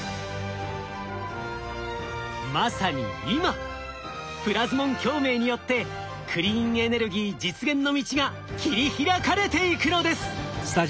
まさに今プラズモン共鳴によってクリーンエネルギー実現の道が切り開かれていくのです！